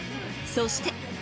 そして。